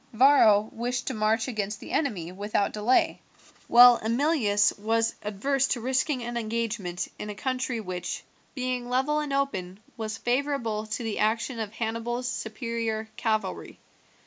Varro wished to march against the enemy without delay, while Emilius was adverse to risking an engagement in a country which, being level and open, was favourable to the action of Hannibal's superior cavalry.